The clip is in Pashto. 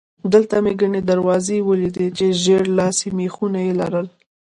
دلته مې ګڼې دروازې ولیدې چې ژېړ لاسي مېخونه یې لرل.